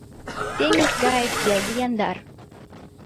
Теҥыз гае келге, яндар.